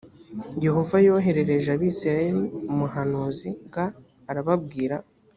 yehova yoherereje abisirayeli umuhanuzi g arababwira